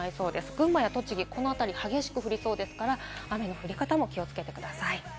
群馬や栃木、この辺り激しく降りそうですから、雨の降り方にも気をつけてください。